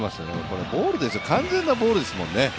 これ完全なボールですもんね。